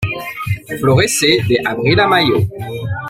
Florece de Abril a Mayo.